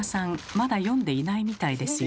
まだ読んでいないみたいですよ。